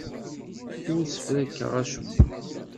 Ur ssefrakeɣ acemma.